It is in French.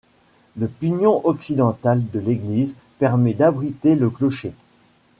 Le pignon occidental de l'église permet d'abriter le clocher.